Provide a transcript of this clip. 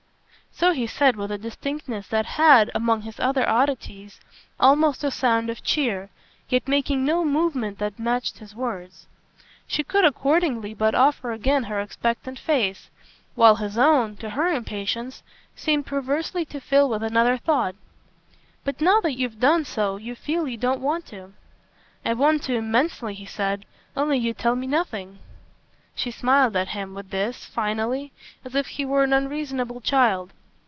So he said with a distinctness that had, among his other oddities, almost a sound of cheer, yet making no movement that matched his words. She could accordingly but offer again her expectant face, while his own, to her impatience, seemed perversely to fill with another thought. "But now that you've done so you feel you don't want to." "I want to immensely," he said. "Only you tell me nothing." She smiled at him, with this, finally, as if he were an unreasonable child.